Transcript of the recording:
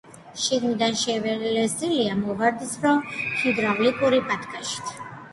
შიგნიდან შელესილია მოვარდისფრო ჰიდრავლიკური ბათქაშით.